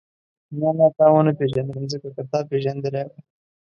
نه نه تا ونه پېژندلم ځکه که تا پېژندلې وای.